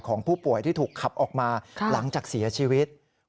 ของผู้ป่วยที่ถูกขับออกมาหลังจากเสียชีวิต